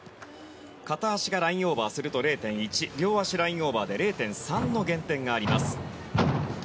片足がラインオーバーすると０．１両足ラインオーバーで０．３の減点があります。